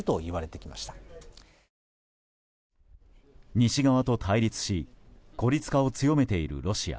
西側と対立し孤立化を強めているロシア。